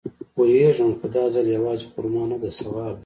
پوېېږم خو دا ځل يوازې خرما نده ثواب دی.